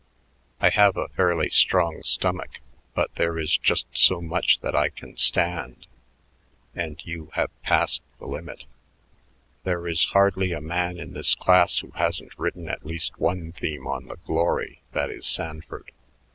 I have a fairly strong stomach, but there is just so much that I can stand and you have passed the limit. There is hardly a man in this class who hasn't written at least one theme on the glory that is Sanford.